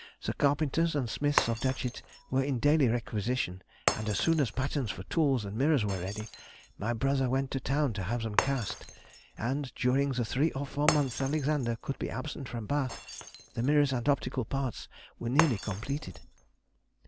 The carpenters and smiths of Datchet were in daily requisition, and as soon as patterns for tools and mirrors were ready, my brother went to town to have them cast, and during the three or four months Alexander could be absent from Bath, the mirrors and optical parts were nearly completed.